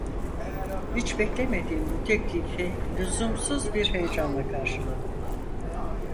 Hiç beklemediğim bu teklifi lüzumsuz bir heyecanla karşıladım.